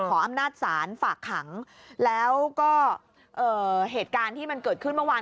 อำนาจศาลฝากขังแล้วก็เอ่อเหตุการณ์ที่มันเกิดขึ้นเมื่อวาน